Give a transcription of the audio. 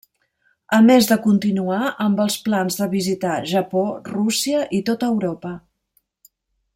A més de continuar amb els plans de visitar, Japó, Rússia i tota Europa.